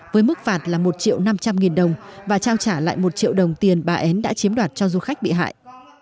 với mức phạt là một triệu năm trăm linh nghìn đồng và trao trả lại một triệu đồng tiền bà en đã chiếm đoạt cho du khách bị hại